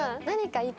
何か。